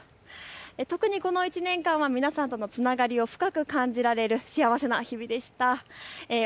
特にこの１年間は皆さんとのつながりを深く感じられる幸せな日々でした。